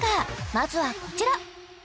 まずはこちら！